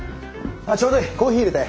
あっちょうどいいコーヒーいれて。